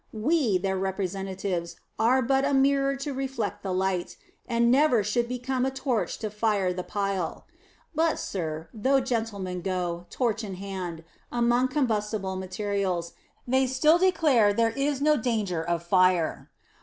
We, their representatives, are but a mirror to reflect the light, and never should become a torch to fire the pile. But, sir, though gentlemen go, torch in hand, among combustible materials, they still declare there is no danger of a fire.